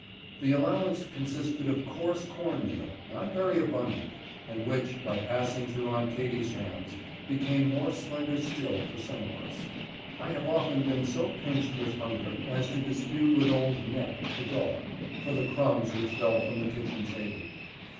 >/ The allowance consisted of coarse corn meal, not very abundant, and which, by passing through Aunt Katy's hands, became more slender still for some of us. I have often been so pinched with hunger as to dispute with old " Nep," the dog, for the crumbs which fell from the kitchen table.